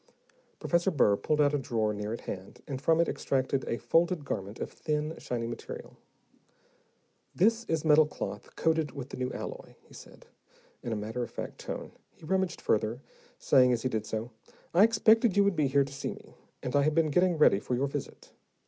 Professor Burr pulled out a drawer near at hand, and from it extracted a folded garment of thin, shiny material. "This is metal cloth coated with the new alloy," he said, in a matter of fact tone. He rummaged further, saying as he did so, "I expected you would be here to see me, and I have been getting ready for your visit.